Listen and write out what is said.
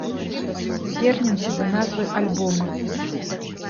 Вернемся да назвы альбома.